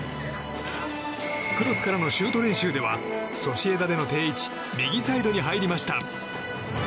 クロスからのシュート練習ではソシエダでの定位置右サイドに入りました。